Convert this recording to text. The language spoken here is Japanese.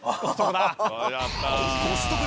コストコ。